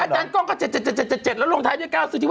อาจารย์กล้องก็๗๗๗๗๗๗แล้วลงท้ายเป็น๙๙๙๙๙ไอ้ไข่ไง